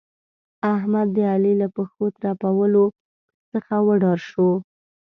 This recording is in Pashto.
احمد؛ د علي له پښو ترپولو څخه وډار شو.